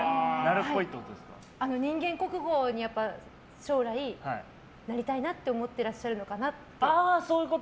人間国宝に将来なりたいなって思ってらっしゃるのかなと。